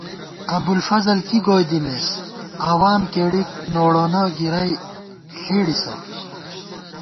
ابُو الفضل کی گوئی دِمېس اوام کېڑِک نوڑونہ گِرَئی ݪېڑِسہ